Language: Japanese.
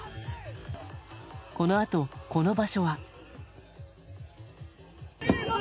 このあと、この場所は。